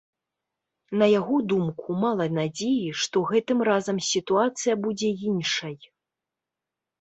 На яго думку, мала надзеі, што гэтым разам сітуацыя будзе іншай.